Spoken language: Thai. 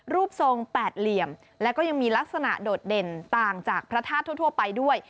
รูปทรงแปดเหลี่ยมแล้วก็ยังมีลักษณะโดดเด่นต่างจากพระธาตุทั่วไปด้วย